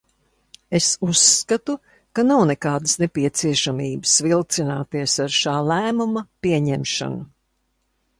Es uzskatu, ka nav nekādas nepieciešamības vilcināties ar šā lēmuma pieņemšanu.